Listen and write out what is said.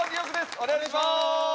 お願いします。